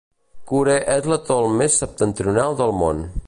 Kure és l'atol més septentrional del món.